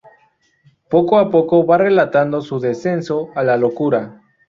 Poco a poco va relatando su descenso a la locura.